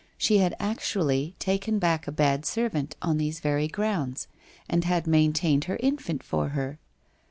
She had actually taken back a bad servant on these very grounds, and had maintained her infant for her.